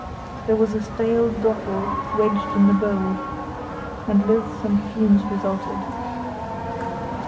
There was a stale dottle wedged in the bowl, and loathsome fumes resulted.